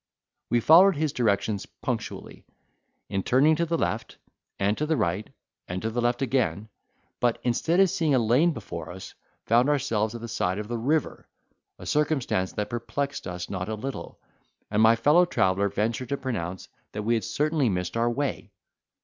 We followed his directions punctually, in turning to the left, and to the right, and to the left again; but instead of seeing a lane before us, found ourselves at the side of the river, a circumstance that perplexed us not a little; and my fellow traveller ventured to pronounce, that we had certainly missed our way.